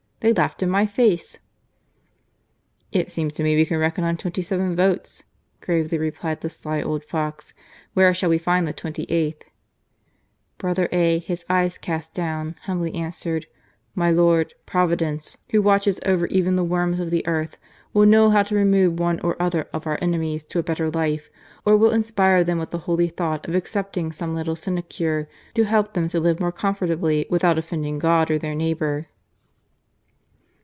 they laughed in my face !" "It seems to me that we can reckon on twenty seven votes," gravely replied the sly old fox. Where shall we find the twenty eighth ?" Brother A , his eyes cast down, humbly answered :" My lord, Providence, Who watches over even the worms of the earth, will know how to remove one or other of our enemies to a better life, or will inspire them with the holy thought of accepting some little sinecure to help them to live more comfortably without offending God or their neighbour."